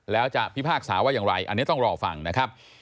แล้วจะพิพากษาว่าอย่างไรอันนี้ต้องรอฟังนะครับ